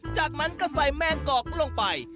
จากนั้นก็ใส่แมงกอกลงไป